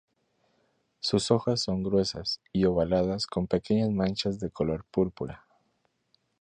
Sus hojas son gruesas y ovaladas con pequeñas manchas de color púrpura.